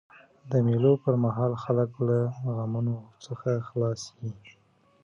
د مېلو پر مهال خلک له غمونو څخه خلاص يي.